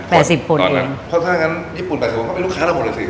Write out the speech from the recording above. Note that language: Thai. เพราะฉะนั้นญี่ปุ่น๘๐คนเขาไปลูกค้าเราหมดหรือสิ